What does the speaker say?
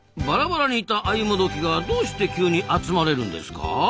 ばらばらにいたアユモドキがどうして急に集まれるんですか？